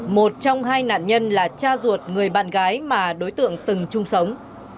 một trong hai nạn nhân là cha ruột người bạn gái mà đối tượng từng chung sống